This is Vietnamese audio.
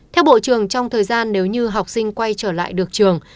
theo bộ trường trong thời gian nếu như học sinh quay trở lại được trường